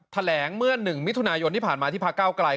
แถลงเมื่อ๑มิถุนายนที่ผ่านมาที่พระเก้าไกล